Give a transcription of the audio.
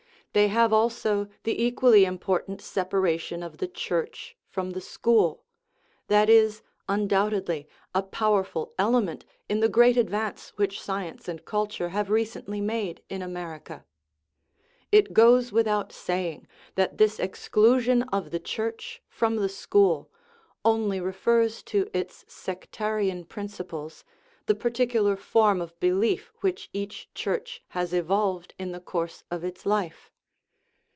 They have also the equally important separation of the Church from the school ; that is, undoubtedly, a powerful element in the great advance which science and culture have recently made in America. It goes without saying that this exclusion of the Church from the school only refers to its sectarian principles, the particular form of belief which each Church has evolved in the course of its life.